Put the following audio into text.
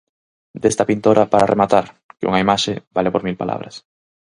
Desta pintora, para rematar: que unha imaxe vale por mil palabras.